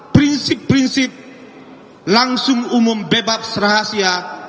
prinsip prinsip langsung umum bebas serahasia